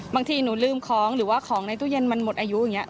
บางทีหนูลืมของหรือว่าของในตู้เย็นมันหมดอายุอย่างนี้